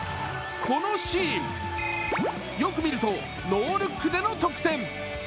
このシーン、よみ見るとノールックでの得点。